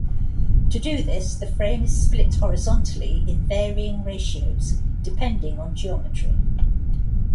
To do this, the frame is split horizontally in varying ratios depending on geometry.